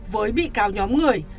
với bị cáo nhóm người